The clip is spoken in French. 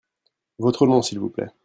Votre nom, s'il vous plait ?